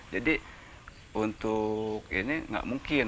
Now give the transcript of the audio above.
jadi untuk ini nggak mungkin